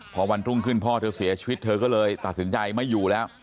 พอวันรุ่งขึ้นพ่อเธอเสียชีวิตเธอก็เลยตัดสินใจไม่อยู่แล้ว